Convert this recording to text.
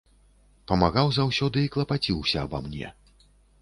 Памагаў заўсёды і клапаціўся аба мне.